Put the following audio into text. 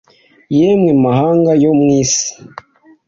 Yemwe mahanga yo mw’ isi,